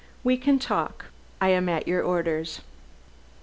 "We can talk. I am at your orders."